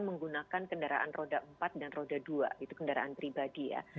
menggunakan kendaraan roda empat dan roda dua itu kendaraan pribadi ya